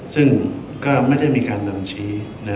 ซึ่งก็ไม่ได้มีการนำชี้